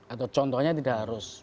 atau contohnya tidak harus